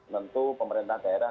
tentu pemerintah daerah